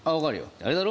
あれだろ？